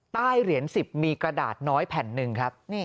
ใต้เหรียญ๑๐มีกระดาษน้อยแผ่นหนึ่งครับ